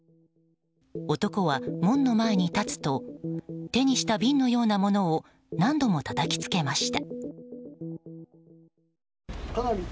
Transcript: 男は門の前に立つと手にした瓶のようなものを何度もたたきつけました。